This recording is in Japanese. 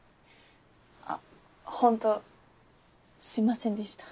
あホントすいませんでした。